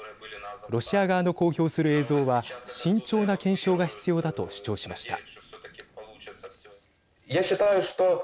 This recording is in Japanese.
ロシア側の公表する映像は慎重な検証が必要だと主張しました。